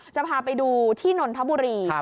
จะพาไปดูที่นนทบุรี